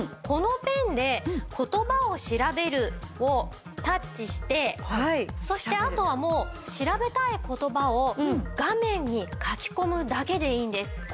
このペンで「言葉を調べる」をタッチしてそしてあとはもう調べたい言葉を画面に書き込むだけでいいんです。